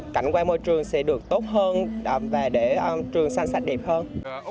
cảnh quan môi trường sẽ được tốt hơn và để trường xanh sạch đẹp hơn